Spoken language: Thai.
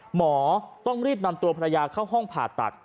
หมอต้องรีบนำตัวภรรยาเข้าห้องผ่าตัด